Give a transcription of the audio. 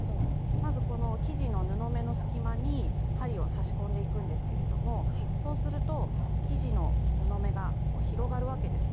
まずこの生地の布目の隙間に針を刺し込んでいくんですけれどもそうすると生地の布目が広がるわけですね